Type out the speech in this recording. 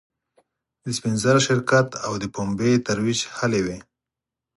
د سپین زر شرکت او د پومبې ترویج هلې وې.